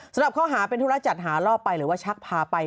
สำหรับข้อหาเป็นธุระจัดหาล่อไปหรือว่าชักพาไป